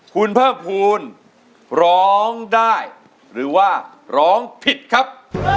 คุณเพิ่มภูมิร้องได้หรือว่าร้องผิดครับ